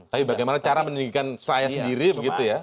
tapi bagaimana cara meninggikan saya sendiri begitu ya